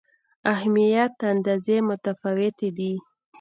اهمیت اندازې متفاوتې دي.